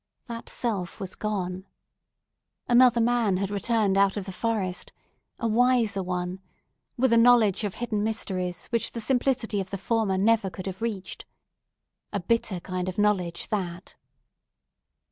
That self was gone. Another man had returned out of the forest—a wiser one—with a knowledge of hidden mysteries which the simplicity of the former never could have reached. A bitter kind of knowledge that!